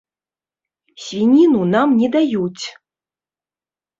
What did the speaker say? Свініну нам не даюць!